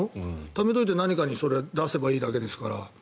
ためておいて何かにそれを出せばいいわけですから。